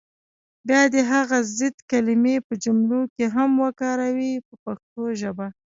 بیا دې هغه ضد کلمې په جملو کې هم وکاروي په پښتو ژبه.